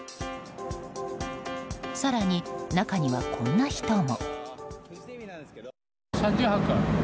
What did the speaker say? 更に、中にはこんな人も。